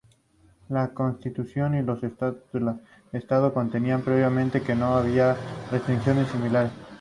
La Constitución y los estatutos del estado contenían previamente que no había restricciones similares.